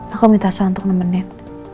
aku minta saya untuk nemenin